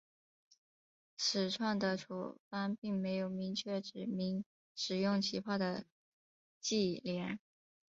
始创的处方并没有明确指明使用起泡的忌廉。